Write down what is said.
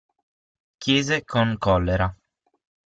Chiese con collera.